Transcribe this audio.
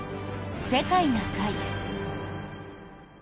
「世界な会」。